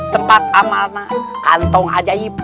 tempat tamatnya kantong ajaib